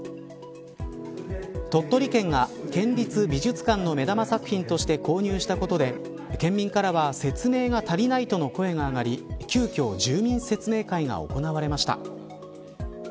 鳥取県が県立美術館の目玉作品として購入したことで、県民からは説明が足りないとの声が上がり急きょ住民説明会が行われました。